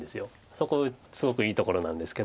そこすごくいいところなんですけど。